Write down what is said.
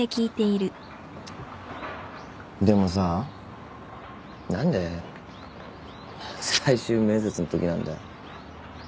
でもさ何で最終面接のときなんだよ。